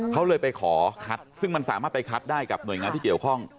เขาเลยไปขอคัดซึ่งมันสามารถไปคัดได้กับหน่วยงานที่เกี่ยวข้อง